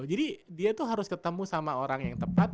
jadi dia tuh harus ketemu sama orang yang tepat